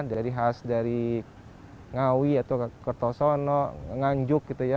dari khas dari ngawi atau ke kertosono nganjuk gitu ya